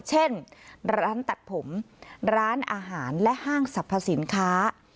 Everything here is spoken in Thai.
เช่นร้านตัดผมร้านอาหารและห้างสรรพสินค้า